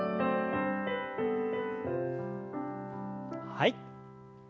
はい。